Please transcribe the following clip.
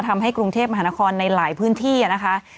ทำให้กรุงเทพมหานครในหลายพื้นที่นะคะ